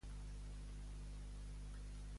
Què pensa que pot ser Quèdeix?